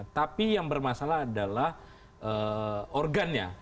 tapi yang bermasalah adalah organnya